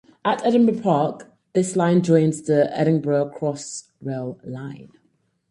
At Edinburgh Park this line joins the Edinburgh Crossrail line.